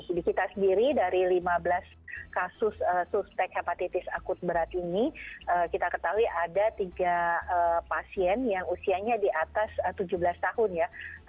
jadi kita sendiri dari lima belas kasus suspek hepatitis akut berat ini kita ketahui ada tiga pasien yang usianya di atas tujuh belas tahun ya